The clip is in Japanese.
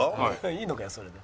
いいのかよそれで。